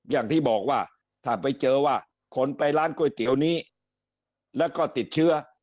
อย่างที่บอกว่าถ้าไปเจอว่าคนไปร้านก๋วยเตี๋ยวนี้แล้วก็ติดเชื้อ